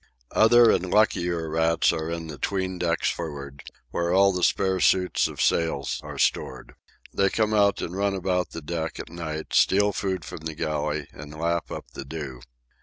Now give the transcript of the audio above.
Other and luckier rats are in the 'tween decks for'ard, where all the spare suits of sails are stored. They come out and run about the deck at night, steal food from the galley, and lap up the dew.